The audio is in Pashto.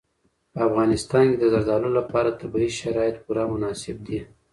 په افغانستان کې د زردالو لپاره طبیعي شرایط پوره مناسب دي.